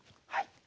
はい。